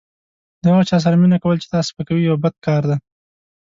د هغه چا سره مینه کول چې تا سپکوي یو بد کار دی.